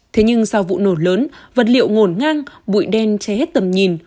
thế nhưng sau vụ nổ lớn vật liệu ngồn ngang bụi đen che hết tầm nhìn